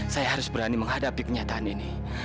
saya harus berani menghadapi kenyataan ini